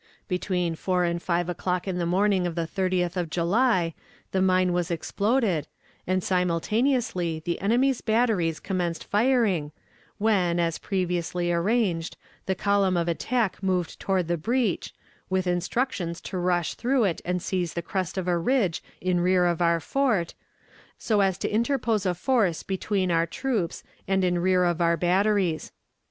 Between four and five o'clock on the morning of the 30th of July the mine was exploded, and simultaneously the enemy's batteries commenced firing, when, as previously arranged, the column of attack moved forward to the breach, with instructions to rush through it and seize the crest of a ridge in rear of our fort, so as to interpose a force between our troops and in rear of our batteries.